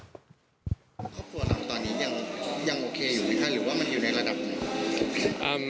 ครอบครัวเราตอนนี้ยังยังโอเคอยู่ไหมคะหรือว่ามันอยู่ในระดับอ่า